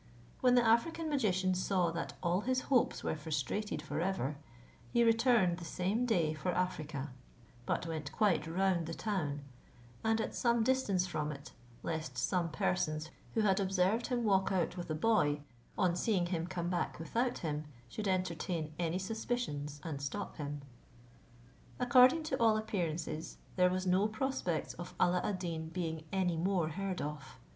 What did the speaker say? When the African magician saw that all his hopes were frustrated forever, he returned the same day for Africa; but went quite round the town, and at some distance from it, lest some persons who had observed him walk out with the boy, on seeing him come back without him, should entertain any suspicions, and stop him. According to all appearances, there was no prospects of Alla ad Deen being any more heard of.